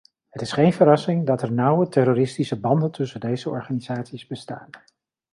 Het is geen verrassing dat er nauwe terroristische banden tussen deze organisaties bestaan.